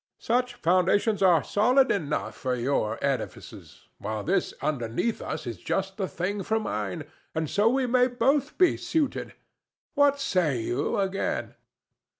Such foundations are solid enough for your edifices, while this underneath us is just the thing for mine; and so we may both be suited. What say you, again?"